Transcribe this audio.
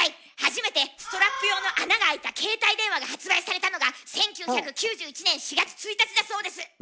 初めてストラップ用の穴が開いた携帯電話が発売されたのが１９９１年４月１日だそうです。